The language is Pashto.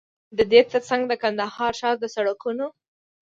ددې تر څنګ د کندهار ښار د سړکونو